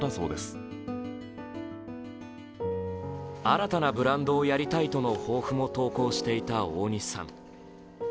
新たなブランドをやりたいとの抱負も投稿していた大西さん。